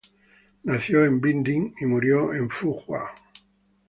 Nació en Binh Dinh y murió en Phu Xuan.